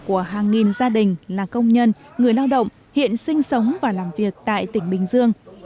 của hàng nghìn gia đình là công nhân người lao động hiện sinh sống và làm việc tại tỉnh bình dương